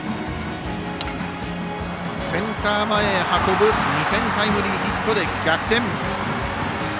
センター前へ運ぶ２点タイムリーヒットで逆転。